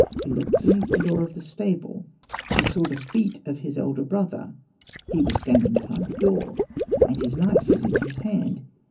He looked beneath the door of the stable ; he saw the feet of his elder brother ; he was standing behind the door, and his knife was in his hand.